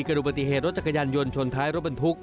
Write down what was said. อุบัติเหตุรถจักรยานยนต์ชนท้ายรถบรรทุก